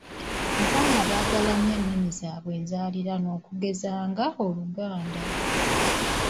"Abaana baagala nnyo ennimi zaabwe enzaaliranwa okugeza nga, Oluganda."